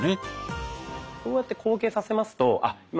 こうやって後傾させますとあっ